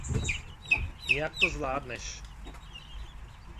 Nějak to zvládneš.